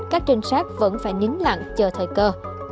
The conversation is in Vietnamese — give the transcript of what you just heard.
các trinh sát vẫn phải nính lặng chờ thời cơ